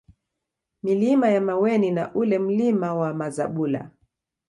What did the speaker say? Milima ya Maweni na ule Mlima wa Mazabula